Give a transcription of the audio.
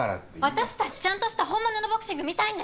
私たちちゃんとした本物のボクシング見たいんです！